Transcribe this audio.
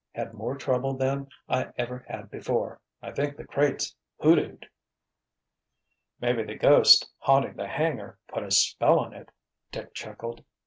"Had more trouble than I ever had before. I think the crate's hoodooed." "Maybe the ghost haunting the hangar 'put a spell' on it," Dick chuckled.